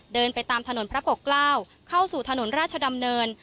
เดินไปตามถนนพระปกเกล้าเข้าสู่ถนนราชดำเนิน